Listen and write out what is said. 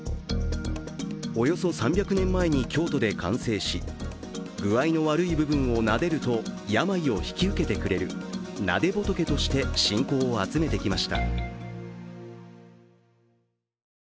およそ３００年前に京都で完成し具合の悪い部分をなでると病を引き受けてくれる、なで仏として信仰を集めてきました。